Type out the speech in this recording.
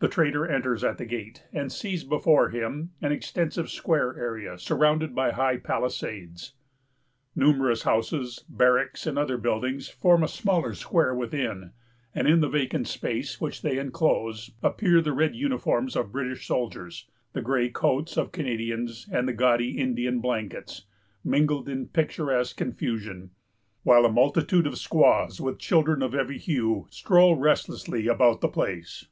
The trader enters at the gate, and sees before him an extensive square area, surrounded by high palisades. Numerous houses, barracks, and other buildings, form a smaller square within, and in the vacant space which they enclose appear the red uniforms of British soldiers, the gray coats of Canadians, and the gaudy Indian blankets, mingled in picturesque confusion; while a multitude of squaws, with children of every hue, stroll restlessly about the place.